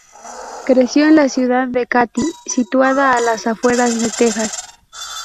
Creció en la ciudad de Katy, situada a las afueras de Texas.